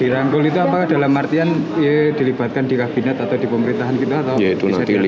dirangkul itu apakah dalam artian ya dilibatkan di kabinet atau di pemerintahan kita atau bisa dilindung